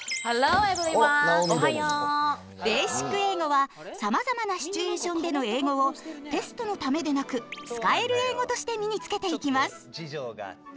「ベーシック英語」はさまざまなシチュエーションでの英語をテストのためでなく使える英語として身につけていきます。